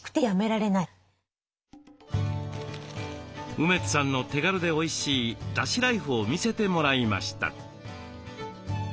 梅津さんの手軽でおいしいだしライフを見せてもらいました。